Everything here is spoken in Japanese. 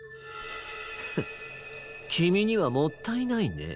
フンきみにはもったいないね。